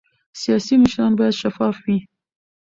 سیاسي مشران باید شفاف وي